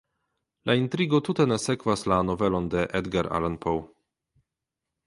La intrigo tute ne sekvas la novelon de Edgar Allan Poe.